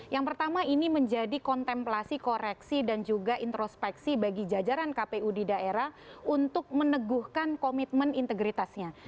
yang pertama ini menjadi kontemplasi koreksi dan juga introspeksi bagi jajaran kpu di daerah untuk meneguhkan komitmen integritasnya